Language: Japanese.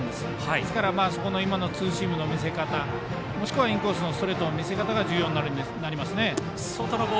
ですから今のツーシームの見せ方もしくはインコースのストレートの見せ方が重要になりますね。